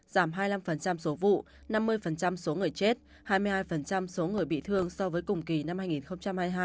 giảm hai mươi năm số vụ năm mươi số người chết hai mươi hai số người bị thương so với cùng kỳ năm hai nghìn hai mươi hai